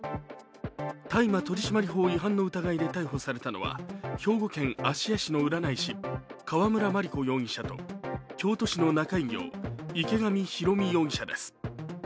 大麻取締法違反の疑いで逮捕されたのは、兵庫県芦屋市の占い師、川村麻里子容疑者と京都市の仲居業、池上ひろみ容疑者です。